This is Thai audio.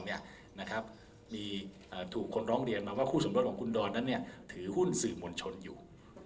ก็แน่นอนว่าที่ถูกคนร้องเรียนว่าขู่สมรวจของคุณดอนถือหุ้นสื่อมวลชนอยู่